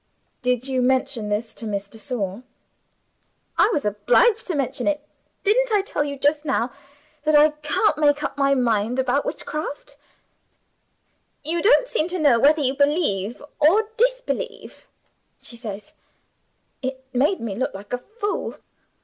"Did you mention this to Miss de Sor?" "I was obliged to mention it. Didn't I tell you, just now, that I can't make up my mind about Witchcraft? 'You don't seem to know whether you believe or disbelieve,' she says. It made me look like a fool.